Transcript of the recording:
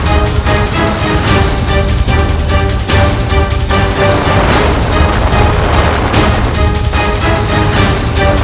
aku harus berhati hati menghadapi serangan